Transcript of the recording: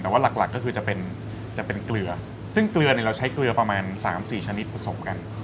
แต่ว่ารักคือจะเป็นเศรษฐ์เกลือซึ่งเกลือเราใช้เกลือประมาณ๓๔ชนิดผสมกัน